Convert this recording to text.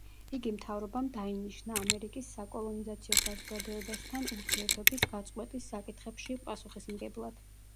იგი მთავრობამ დაინიშნა, ამერიკის საკოლონიზაციო საზოგადოებასთან ურთიერთობის გაწყვეტის საკითხებში პასუხისმგებლად.